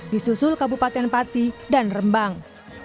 di susul kabupaten pati dan rembang